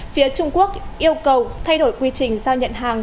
phía trung quốc yêu cầu thay đổi quy trình giao nhận hàng